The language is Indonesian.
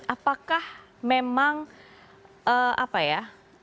apakah memang apa ya